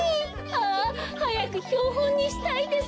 ああはやくひょうほんにしたいです。